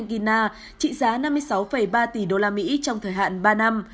điều này đã làm vay tín dụng dự phòng của argentina trị giá năm mươi sáu ba tỷ usd trong thời hạn ba năm